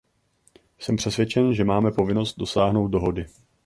Jsem přesvědčen, že máme povinnost dosáhnout dohody.